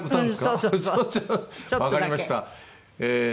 わかりました。